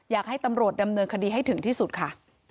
อยากให้ตำรวจดำเนินคดีให้ถึงที่สุดค่ะ